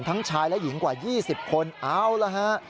ทั้งชายและหญิงกว่า๒๐คนเอาละฮะ